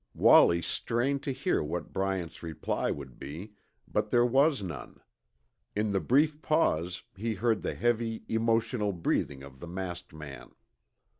Wallie strained to hear what Bryant's reply would be, but there was none. In the brief pause, he heard the heavy, emotional breathing of the masked man.